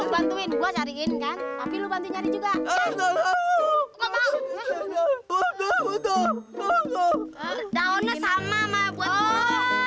bantuin gua cariin kan tapi lu bantuin juga udah udah udah udah udah udah udah udah udah